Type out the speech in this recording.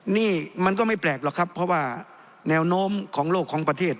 นี่มันก็ไม่แปลกหรอกครับเพราะว่าแนวโน้มของโลกของประเทศ